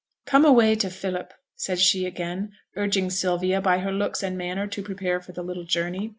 'Come away to Philip,' said she again, urging Sylvia, by her looks and manner, to prepare for the little journey.